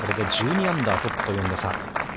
１２アンダー、トップと４打差。